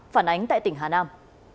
phản ánh tại tỉnh hà nam